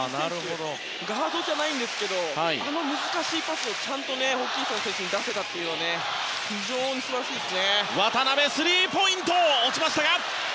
ガードじゃないんですけどあの難しいパスをちゃんとホーキンソン選手に出せたというのは非常に素晴らしいです。